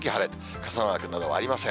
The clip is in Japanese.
傘マークなどはありません。